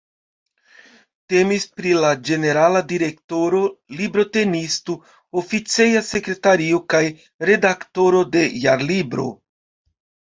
Temis pri la ĝenerala direktoro, librotenisto, oficeja sekretario kaj redaktoro de Jarlibro.